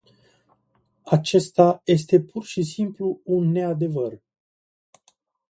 Acesta este pur și simplu un neadevăr.